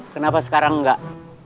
kenapa sekarang nggak